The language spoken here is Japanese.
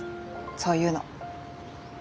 そういうの。